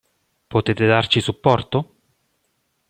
Potete darci supporto?